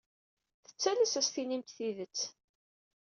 Tettalas ad as-tinimt tidet.